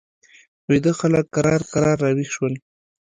ویده خلک کرار کرار را ویښ شول.